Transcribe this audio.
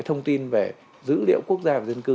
thông tin về dữ liệu quốc gia và dân cư